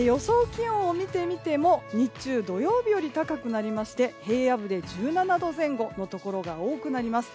気温を見てみても日中、土曜日より高くなりまして平野部で１７度前後のところが多くなります。